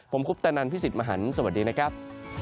ผมคุปตะนันพี่สิทธิ์มหันฯสวัสดีนะครับ